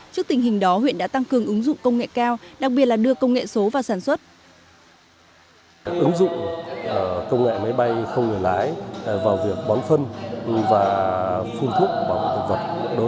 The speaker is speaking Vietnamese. trước tình hình đó huyện đã tăng cường ứng dụng công nghệ cao đặc biệt là đưa công nghệ số vào sản xuất